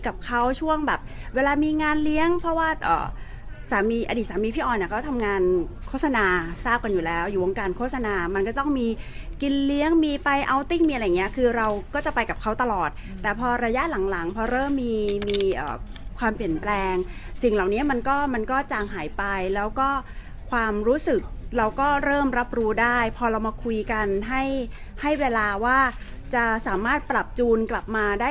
กับเขาช่วงแบบเวลามีงานเลี้ยงเพราะว่าสามีอดีตสามีพี่ออนอ่ะก็ทำงานโฆษณาทราบกันอยู่แล้วอยู่วงการโฆษณามันก็ต้องมีกินเลี้ยงมีไปอัลติ้งมีอะไรอย่างเงี้ยคือเราก็จะไปกับเขาตลอดแต่พอระยะหลังหลังพอเริ่มมีมีความเปลี่ยนแปลงสิ่งเหล่านี้มันก็มันก็จางหายไปแล้วก็ความรู้สึกเราก็เริ่มรับรู้ได้พอเรามาคุยกันให้ให้เวลาว่าจะสามารถปรับจูนกลับมาได้